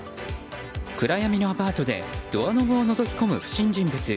暗闇のアパートでドアノブをのぞき込む不審人物。